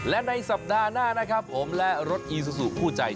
และในสัปดาห์หน้านะครับผมและรถอีซูซูคู่ใจ